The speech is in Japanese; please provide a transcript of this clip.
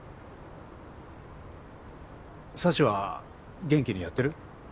幸は元気にやってる？